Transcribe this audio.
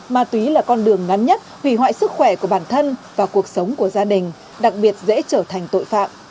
ma túy là con đường ngắn nhất hủy hoại sức khỏe của bản thân và cuộc sống của gia đình đặc biệt dễ trở thành tội phạm